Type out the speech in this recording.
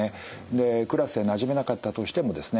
でクラスでなじめなかったとしてもですね